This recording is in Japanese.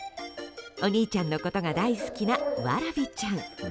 お兄ちゃんのことが大好きなわらびちゃん。